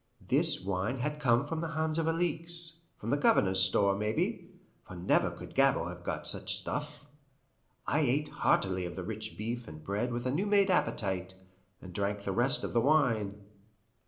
This wine had come from the hands of Alixe from the Governor's store, maybe; for never could Gabord have got such stuff. I ate heartily of the rich beef and bread with a new made appetite, and drank the rest of the wine.